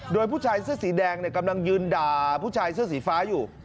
โดยผู้ชายเสื้อสีแดงกำลังยืนด่าผู้ชายเสื้อสีฟ้าอยู่